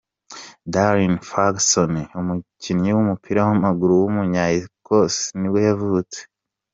Darren Ferguson, umukinnyi w’umupira w’amaguru w’umunya Ecosse nibwo yavutse.